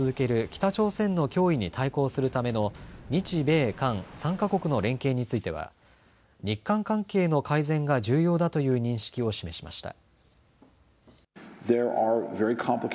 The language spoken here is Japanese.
北朝鮮の脅威に対抗するための日米韓３か国の連携については日韓関係の改善が重要だという認識を示しました。